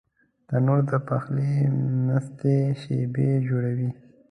تنور د پخلي مستې شېبې جوړوي